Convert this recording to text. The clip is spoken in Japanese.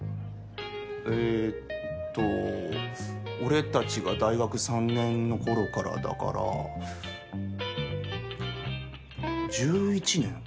えーっと俺たちが大学３年のころからだから１１年？